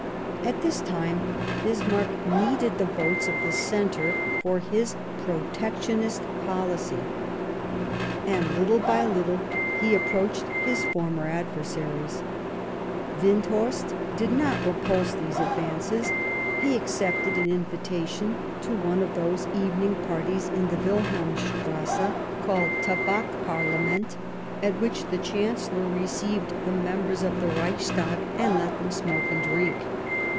At that time Bismarck needed the votes of the Centre for his protectionist policy, and, little by little, he approached his former adversaries. Windt horst did not repulse these advances ; he accepted an invitation to one of those evening parties in the Wilhelmstrasse, called Tabak Par lament, at which the Chancellor received the members of the Reichs tag and let them smoke and drink.